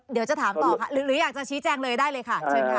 เดี๋ยวจะถามต่อค่ะหรืออยากจะชี้แจงเลยได้เลยค่ะเชิญค่ะ